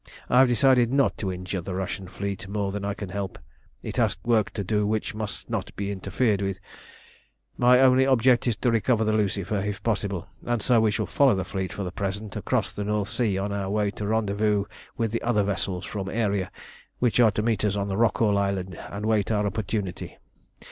"I have decided not to injure the Russian fleet more than I can help. It has work to do which must not be interfered with. My only object is to recover the Lucifer, if possible, and so we shall follow the fleet for the present across the North Sea on our way to the rendezvous with the other vessels from Aeria which are to meet us on Rockall Island, and wait our opportunity.